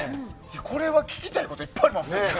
これは聞きたいこといっぱいありますよね。